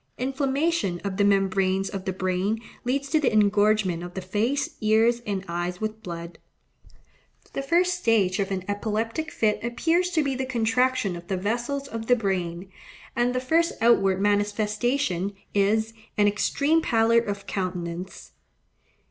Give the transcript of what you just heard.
Inflammation of the membranes of the brain leads to the engorgement of the face, ears, and eyes with blood. The first stage of an epileptic fit appears to be the contraction of the vessels of the brain, and the first outward manifestation is, an extreme pallor of countenance.